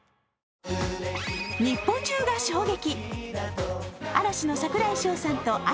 日本中が衝撃。